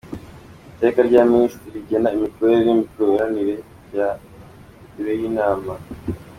Iteka rya Minisitiri rigena imikorere n‟imikoranire bya Biro y‟Inama